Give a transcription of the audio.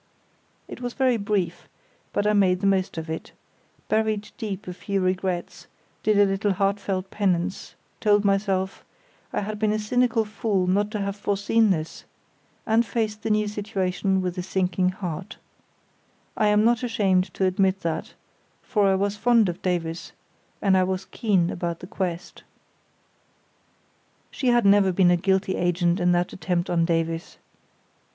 It was very brief, but I made the most of it; buried deep a few regrets, did a little heartfelt penance, told myself I had been a cynical fool not to have foreseen this, and faced the new situation with a sinking heart; I am not ashamed to admit that, for I was fond of Davies, and I was keen about the quest. She had never been a guilty agent in that attempt on Davies.